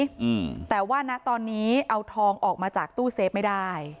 อืมแต่ว่านะตอนนี้เอาทองออกมาจากตู้เซฟไม่ได้